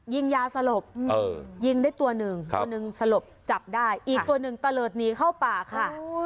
ยิงยาสลบยิงได้ตัวหนึ่งตัวหนึ่งสลบจับได้อีกตัวหนึ่งตะเลิศหนีเข้าป่าค่ะ